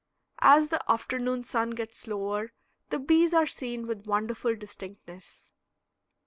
As the afternoon sun gets lower the bees are seen with wonderful distinctness.